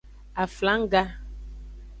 Aflangga.